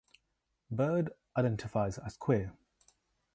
Byrd identifies as queer.